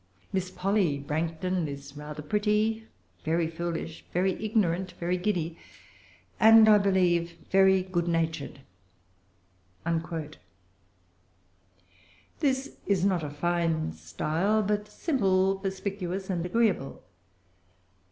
Miss Polly Branghton is rather pretty, very foolish, very ignorant, very giddy, and, I believe, very good natured." This is not a fine style, but simple, perspicuous, and agreeable.